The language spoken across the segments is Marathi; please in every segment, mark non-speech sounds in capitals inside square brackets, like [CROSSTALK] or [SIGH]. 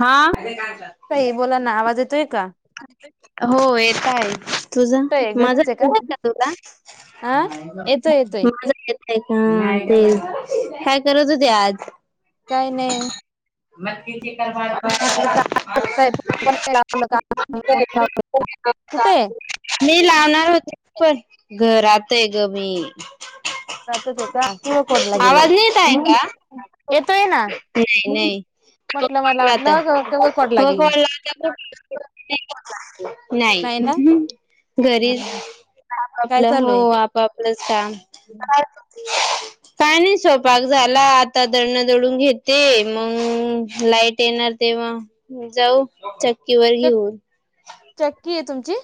हा, ताई बोलाना आवाज येतोय का? हो येत आहे. तुझ, येतोय माझा घरीच आहे येत नाही का तुला? हा येतोय येतोय माझ का ते काय करत होती आज? काय नाही. मगकी चिकन भ [INAUDIBLE] म्हटलं का का कुठे [INAUDIBLE] मी लावणार होते पण घरात आहे ग मी. [INAUDIBLE] राहत आहे का किंवा कोडला गेले. आवाज नाही येत आहे का येतोय ना. नाही म्हटलं मला नाही वाटलं आता वकोडला हो गेली. कोला [INAUDIBLE] नाही घरी हा आप काय आपलं हो चालू आहे? आप आपलंच काम. [INAUDIBLE] काय नाही स्वपाक झाला आता दडणं दडून घेते मग लाईट येणार तेव्हा जाऊ चक्की वर चक घेऊन. चक्की आहे तुमची?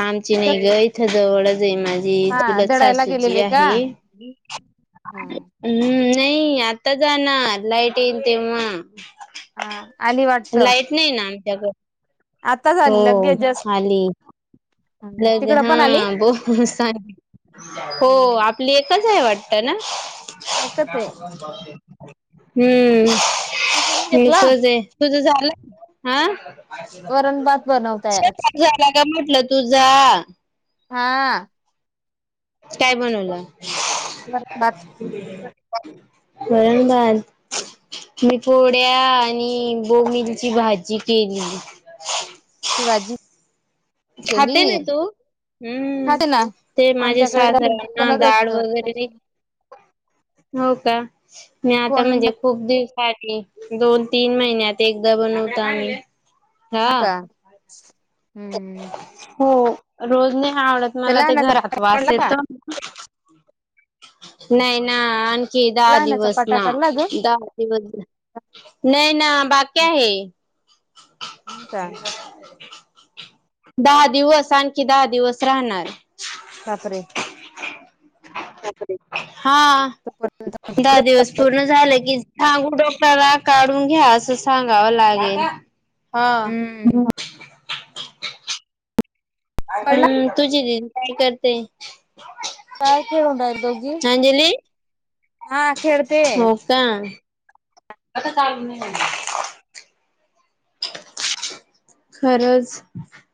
आमची नाही ग इथं जवळच आहे मा ती हा चुलत दडायला सासूची गेलेले का? आहे. हम्म, हा नाही आता जाणार लाईट येईन तेव्हा‌ हा आली वाटत. नाही ना आमच्याकडे, आताच हो आली लगेच जस्ट आली. लयग तिकडं हा पण आली? ब [INAUDIBLE] हो. एकच आहे वाटत ना? एकच आहे. हम्म. घेतला एकाच आहे. तुझं झालं? हा? वरण, भात बनवताय आज स्वयंपाक झाला का म्हटलं तुझा? हा... काय बनवलं? वरण भाताची वरण, भात. मी पोड्या आणि बोबिलची भाजी केलेली. शिवाजी [INAUDIBLE] खाते ना तू? हम्म, खाते ना ते माझे आमच्याकडे सासरांना कोणच दाढ असत वगैरे हो का, मी आता कोण म्हणजे खूप दिव खात नाही दोन, तीन महिन्यात एकदा बनवतो आम्ही. हा का. हम्म हो रोज नाही हा आवडत मला ते लहानाचा घरात पाटा वास काढला का येतो. नाही ना ते दहा लहानाचा दिवस पाटा ना, काढला अजून दहा दिवस नाही ना बाकी आहे. हम्म का. दहा दिवस आणखी दहा दिवस राहणार. बापरे. बापरे हा.. [INAUDIBLE] दहा दिवस पूर्ण झालं की सांगू डोक्टरला काढून घ्या असच सांगावं लागेल हा. हम्म पडला हम्म तुझी दिदी काय करते? काय खेळून राईल दोघी अंजली हा खेळते हो का खरंच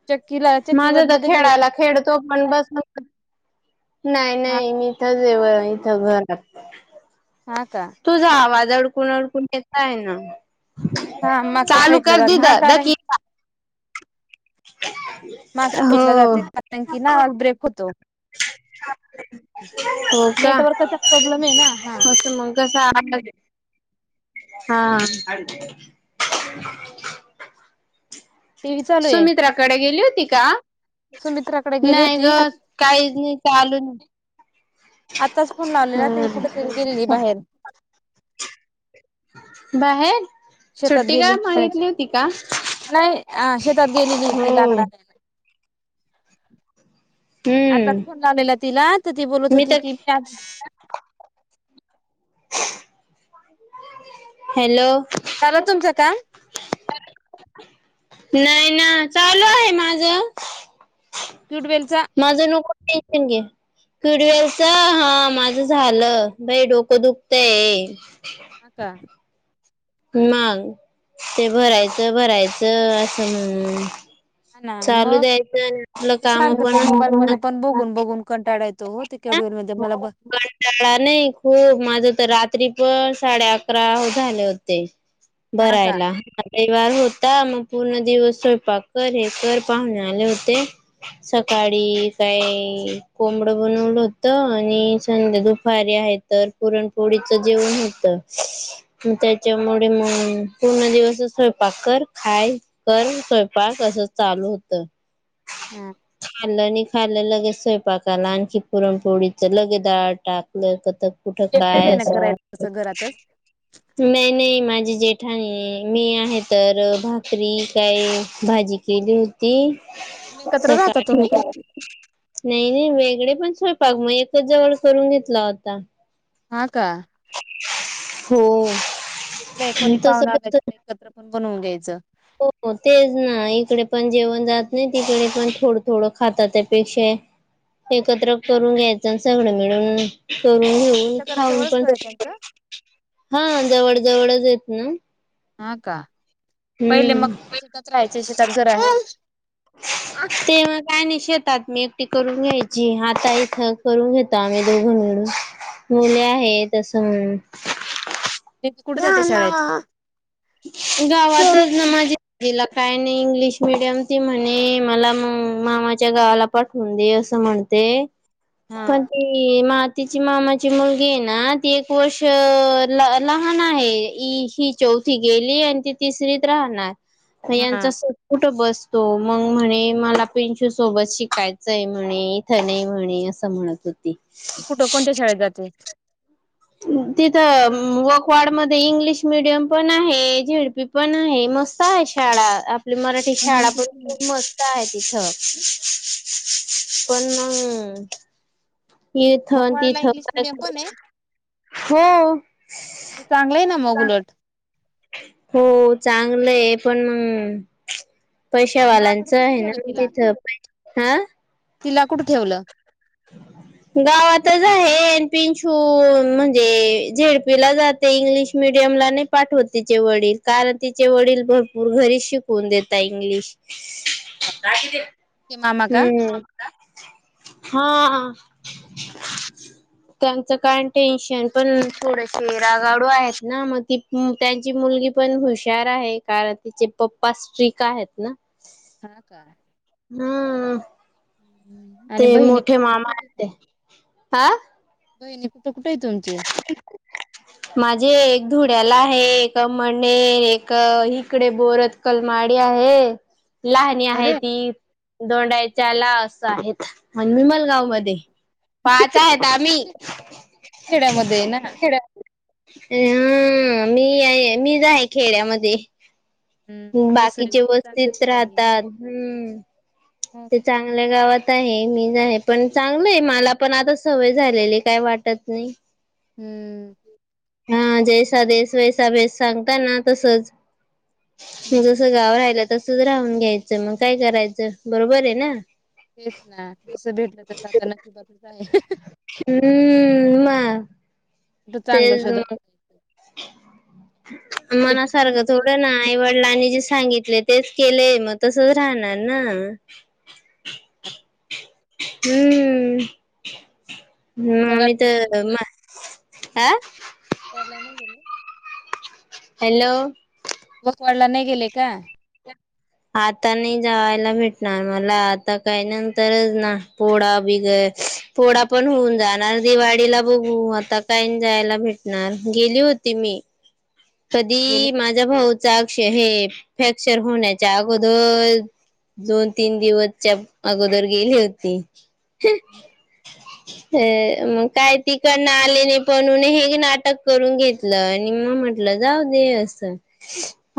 चक्कीला चक्कीवर माझा तर मध्ये गेले खेळायला खेळतो पण बस नाही हा नाही मी इथच येव इथं घरात हाय. हा का तुझा आवाज अडकून अडकून येता हे ना हा मागच्या चालू साईडला कर जाते दिद हा द कारण किला [UNINTELLIGIBLE] म आम्ही तीन ला हो जातो कारण की ना ब्रेक होतो. हो का नेटवर्कचा प्रॉब्लेम हे ना हा कस [UNINTELLIGIBLE] हा [INAUDIBLE] टीव्ही चालू आहे सुमित्राकडे गेली होती का सुमित्राकडे गेली नाही ग होती काहीच नाही चालून आत्ताच फोन लावलेला ती हम्म कुठेतरी गेलेली बाहेर बाहेर शेतात सुट्टी का गेली मागितली होती का नाही शेतात गेलेली ती लाकडा हम्म आणायला. आत्ताच हम्म फोन लावलेला तिला तर ती बोलत होती की मी हॅलो झालं तुमचं काम. नाही ना चालू आहे माझ. क्यूडवेल चा माझं नको टेन्शन घेत. किडवेलच हा माझं झालं लई डोकं दुखतय. होका मग ते भरायचं भरायचं असं हम्म ना चालू मग द्यायचं आपलं काम आपण आपण बघून बघून कंटाळायतो हो ते केडवेर मध्ये मला बस त्यांना नाही खूप माझ तर रात्री पण साडे अकरा झाले होते. हा का बरायला. रविवार होता मग पूर्ण दिवस स्वयंपाक कर हे कर पाहुने आले होते. सकाळी काय कोंबडं बनवलं होत. त आणि संध्या दुपारी आहे तर पुरणपोळीच जेवण होत. त्याच्यामुळे मग पूर्ण दिवस स्वयंपाक कर खाय कर स्वयंपाक तसच चालू होतं. हा खाल्लं नाही खाल्लं लगेच स्वयंपाकाला आणखी पुरण पोळीच लगेच डाळ टाकलं कथक एकटेच आहे ना करायसं घराच नाही नाही माझी जेठाणीआहे मी आहे तर भाकरी काय भाजी केली होती पण एकत्र राहता तुम्ही सकाळी नही नही वेगळे पण स्वयंपाक, मग एकच जवळ करून घेतला होता. हां का? हो. नहीं कोणी तस पाहून आल्या कस कीं एकत्र पण बनवून घ्यायचं. हो तेच ना, इकडे पण जेवण जात नही, तिकडे पण थोडं थोडं खातात त्यापेक्षा एकत्र करून न्यायचं सगळं मिळून करून घेऊ त्या खाऊन घराजवळच पण घर आहे त्यांचं [UNINTELLIGIBLE] हा जवळ जवळयत ना? हां का, पहिले हम्म मग शेतात राहायचे, शेतात घरा ते मग काय नही शेतात मी एकटी करून घ्यायची, हाता इथं करून घेतो आम्ही दोघं मिळून. मुले आहे तसं मं त्यां कुठरायच [UNINTELLIGIBLE] गावातच ना माझी. तिला काय न इंग्लिश मिडियम, ती म्हणे मला म मामाच्या गावाला पाठवून दे असं म्हणते, हा पण ती मं तिची मामाची मुलगी ये ना, ती एक वर्ष अ ल लहान आहे इ हि चौथ थी गेली आणि ती तिसरीत राहणार, मं यांचा हा कुठं बसतो, मग म्हणे मला प्रिंशू सोबत शिकायचंय म्हणे, इथं नही म्हणे अस. त म्हणत होती. कुठं, कोणत्या शाळेत जाते? तिथं वकवाड मध्ये इंग्लिश मिडियम पण आहे, झेडपी पण आहे, मस्त आहे शाळा, आपली मराठी शाळा पण खूप मस त आहे तिथं, पण मंग इथ मकवाडला इंग्लिश तिथं मिडियम पण आहे [UNINTELLIGIBLE] हो. अरे चांगलंय ना मग उलट. हो चांगलंय पण मग मग आता पैशावालांचं कुठे आहे ठेवलं ना तिला तिथं, प हं? तिला कुडं ठेवलं? [INAUDIBLE] गावातच आहे एनपींशू, म्हणजे झेडपीला जाते, इंग्लिश मिडियम ला नही. पाठवत तिचे वडील, कारण तिचे वडील भरपूर घरीच शिकवून देता इंग्लिश. काय किती? ते मामा का हम्म, हां आ. [INAUDIBLE] त्यांचं कायं टेन्शन पण थोडसे रागाडू आहेत ना, मग त मं त्यांची मुलगी पण हुशार आहे, कारण तिचे पप्पा स्ट्रीक आहेत ना. हा का? हम्म. हम्म [INAUDIBLE] ते मोठे मामा आहेत ते, आं? बहिणी कुठं कुठं ये तुमचे? माझे एक धुळ्याला आहे, एक मने एक इकडे बरत कलमाडी आहे. लाहणी आहे अरे ती, दोंडायच्या ला असं आहेत. आणि वीमलगाव मध्ये, पाच आहेत आम्ही. खेड्यामध्ये ये ना? हो हा मी आहे मी जा आहे खेड्यामध्ये हम्म दुसरे बाकीचे चांगल्या वस्तीच ठिकाणी ना राहतात. हम्म ते चांगल्या गावात आहे मी आहे पण चांगलं आहे मला पण आता सवय झालेली काय वाटत नाही. हम्म हा जैसा देस वैसा बेस सांगता ना तसच मग हम्म जस गाव राहिलं तसच राहून घ्यायचं मग काय करायचं बरोबर आहे ना? हेच ना जस भेटलं तसता न ककीबातच आहे. हम्म मग चांगलषध ते मना पण सारखं त्याच्यातच थोडं ना नाही आईवड वडलांनी जे सांगितलय तेच केलेय मग तसच राहणार ना. [UNINTELLIGIBLE] हम्म हम् मग आम्ही आता तर म ह आ पला नाही गेले. हॅलो बस्तवड ला नाही गेले का? आता नाही जायला भेटणार मला आता काही नंतरच ना पोळा बिगर पोडा पण होऊन जाणार दिवाळीला बघू आता काही जायला भेटणार गेली होती मी गेले कधी माझ्या भाऊचा हे फॅक्चर होण्या अगोदर दोन तीन दिवसच्या अगोदर गेली होती. [UNINTELLIGIBLE] अ मग काय तिकडन आले नाही पण हे नाटक करून घेतलं आणि मग म्हट जाऊ दे अस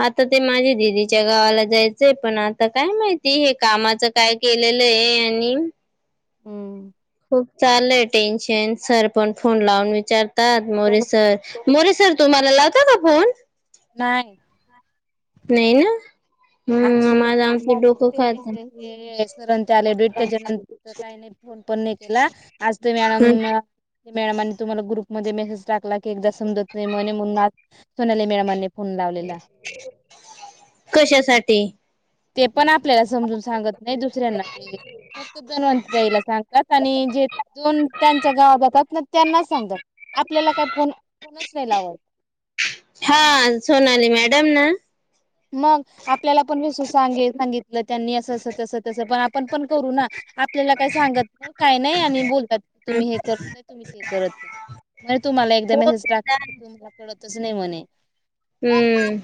आता ते माझ्या दिदीच्या गावाला जायचंय पण आता काय माहिती हे कामाच काय केलेलं आहे आणि हम्म खूप चालय टेन्शन सर पण फोन लावून विचारतात मोरे सर मोरे सर तुम्हाला लावता का फोन? नाय नाही ना [UNINTELLIGIBLE] हे हम्म माझं आमचं डोकं खातं. सरांच्या आल्या भेट मध्ये त्याच्यातलं तर काही नाही फोन पण नाही केला आज ते हं. मॅडम मॅडमांनी तुम्हाला ग्रुप मध्ये मेसेज टाकला की एकदा समजत नाही म्हणे म्हणून आ सोनाली मॅडमांनी फन लावलेला कशासाठी? ते पण आपल्याला समजून सांगत नाही दुसऱ्यांना पण मग तो दोनवंत जाईला सांगतात आणि जे दोन त्यांच्या गावात जातात ना त्यांना सांगतात आपल्याला काही फोन फोनच नाही लावात. हा सोनाली मॅडम ना मग आपल्याला पण विस सांगे सांगितलं त्यांनी असं असं तसं तस पण आपण पण करू ना, आपल्याला काही सांगत नाही काही नाही आणि बोलतात तुम्ही हे करत नाही तुम्ही ते करत नाही. म्हण तुम्हाला एकदा हो मेसेज टाक त्यांचा क तुमला कळतच नाही म्हणे. हम्म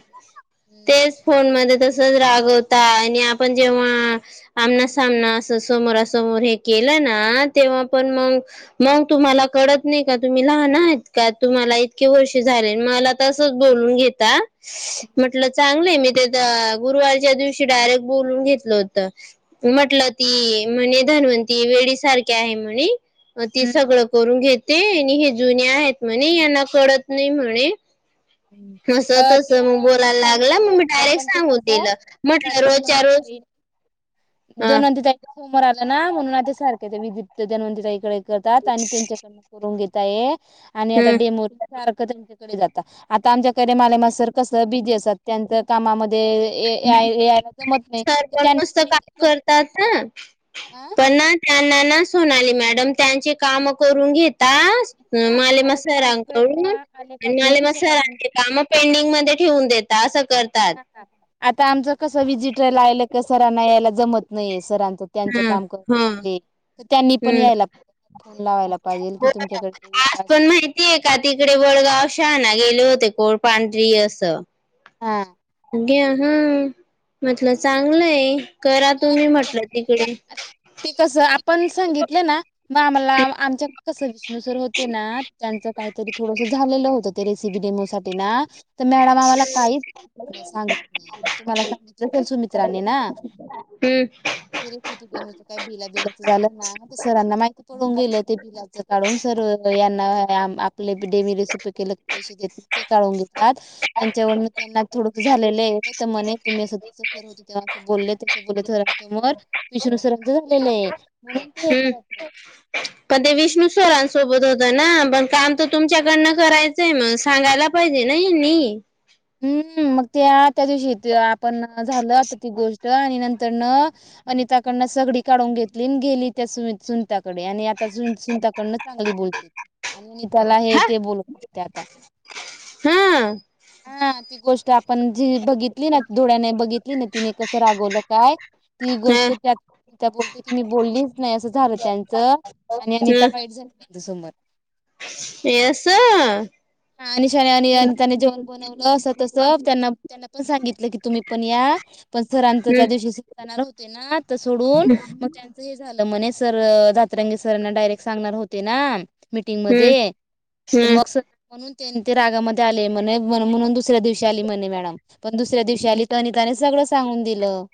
हम्म तेच फोन मध्ये तस त रागवता आणि आपण जेव्हा आमना सामना असं समोरासमोर हे केलं ना तेव्हा पण मग मग तुम्हाला कळत नाही का तुम्ही लहान आहेत का तुम्हाला इतके वर्षे झाले मला तसच बोल [UNINTELLIGIBLE] घेता. म्हटलं चांगलंय, मी तेज गुरुवारच्या दिवशी डायरेक्ट बोलवून घेतलं होत. म्हटलं ती, म्हणे धनवंती वेडी सारखे आहे म्हणे मग ती हम्म सगळं करून घेते, आणि हे जुने आहेत म्हणे, यांना कळत नाही म्हणे. [UNINTELLIGIBLE] असं तसं ते मग बोलायला लागला मग मी डायरेक्ट पण सांगून कस दिलं म्हटलं [UNINTELLIGIBLE] रोजच्या रोज हा, धन्वंती तईच्या समोर आल्या ना, म्हणून आता सारखे ते वीद [UNINTELLIGIBLE] धन्वंती कडे तात, आणि त्यांच्याकड करून घेताये, आणि आता हम्म. डेमोर सारखं त्यांच्याकडे जातात. आता आमच्याकडे माले मास सर, कस बिझी असतात, त्यांच कामामध्ये जमत नाही सरपण त्यांनी मस्त पण काम मदत करतात ना, आ पण ना त्यांना ना, सोनाली मॅडम त्यांची काम करून घतास हम, माले आता सर मसारा [UNINTELLIGIBLE] आमच्याकडे जेव्हा आणि माले आलेपासून म सर सरांची काम पेंडिंग मध्ये ठेवून देता, असं करतात. आता आमच कसं, वि्हजिटरला आयलं का सरांना यायला जमत नाहीय, सरां त्यांच हं, काम करून हं, [UNINTELLIGIBLE] तर त्यांनी पण हं. यायला फोन लावायला पाहिजेल, कि हो. तुमच्याकडली लोक आज अस पण माहितीये का तिकडे बळगाव शांना गेले होते, कोळपांढरी असं हा. [UNINTELLIGIBLE] हा, म्हटलं चांगलंय, करा मग तुम्ही म्हटलं आमच्या तिकडे. ते कसं, आपण सांगितल ना, म आम्हाला आमच्या कसं सर होते ना, त्यांच काहीतरी थोडस झालेलं होतं, ते रेसिपी डेमोसाठी ना मॅडम आम्हाला काहीच सांग [UNINTELLIGIBLE] नाही सांगत नाही, तुम्हाला सांगितल [UNINTELLIGIBLE] सुमित्रानी ना हम्. ते रेसिपी [UNINTELLIGIBLE] काय भिला बिलाच झालं ना, ते सरांना माहिती पडून गेलं, ते बि याच काढून, सर यांना आपले डेवी रेसिपी केल [UNINTELLIGIBLE] तत्यांच्यावरण त्यांना थोड की झालेलं ये [UNINTELLIGIBLE] तेव्हा अस बोलले, [UNINTELLIGIBLE] समोर, विष्णू सरांचं अस झालेलंये. हम. पण ते विष्णू सरांसोबत होत ना, पण काम तर तुमच्याकडनं करायचं मग सांगायला पाहिजे ना हेनी हम्म! मग त्या, त्या दिवशी, ते आपण झालं आता ती गोष्ट, आणि नंतर न आणि त्याकडनं सगडी काढून घेतली, आणि गेली त्या सुनताकडे, आणि आता सुनताकडनं चांगली बोलते, आणि मी त्याला हे ते बोलते आता हां हा, ती गोष्ट आपण जी बघितली ना डोळ्याने बघितली ना, तिने कसं रागवलं काय. ती गोष्ट हम्म त्यात त्या बोलते की मी बोललीच नाही, असं झालं त्यां आणि अनिता वाईट झाली त्यांच्या समोर. असं [UNINTELLIGIBLE] आणि अनिताने जेवण बनव म स्वतः सर त्यांना, त्यांना पण सांगितलं की तुम्ही पण या, पण सरांच हम्म त्या दिवशी जाणार होते. ना तर सोडून, मग त्यांच हे झालं म्हणे, सर दातरंगी सरांना डायरेक्ट सांगणार होते ना. हम्म मीटिंगमध्ये, तर हम्म मग सर, म्हणून रागामध्ये आले म्हणे, म्हणून दुसऱ्या दिवशी आली म्हणे मॅडम, पण दुसऱ्या दिवशी आली तर अनिताने सगळं सांगून दिलं.